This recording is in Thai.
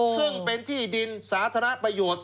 ซึ่งเป็นที่ดินสาธารณประโยชน์